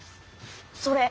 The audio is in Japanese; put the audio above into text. それ。